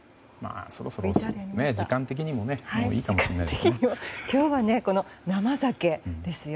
そろそろ時間的にもね飲んでいいかもしれないですね。